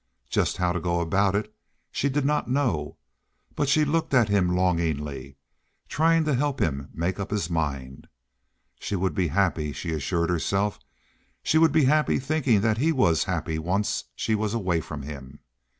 Just how to go about it she did not know, but she looked at him longingly, trying to help him make up his mind. She would be happy, she assured herself—she would be happy thinking that he was happy once she was away from him.